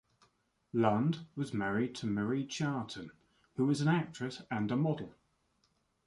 Lund was married to Marie Charton, who was an actress and a model.